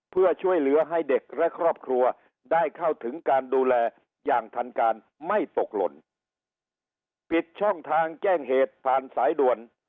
เพื่อช่วยเหลือให้เด็กและครอบครัวได้เข้าถึงการดูแลอย่างทันการไม่ตกหล่น